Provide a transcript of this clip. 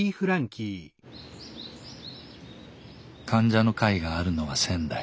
患者の会があるのは仙台。